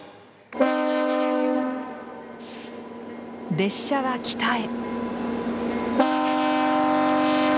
列車は北へ。